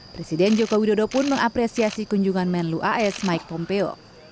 presiden joko widodo pun mengapresiasi kunjungan menlu as mike pompeo